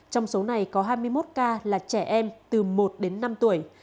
trong số này có hai mươi một ca là trẻ em từ một đến năm tuổi